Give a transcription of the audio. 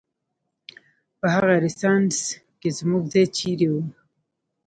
په هغه رنسانس کې زموږ ځای چېرې و؟